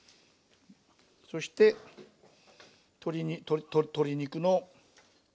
そして鶏肉の。